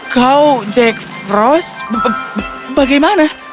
kau jack frost bagaimana